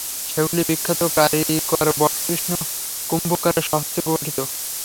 সেগুলি বিখ্যাত কারিকর বটকৃষ্ণ কুম্ভকারের স্বহস্তে গঠিত।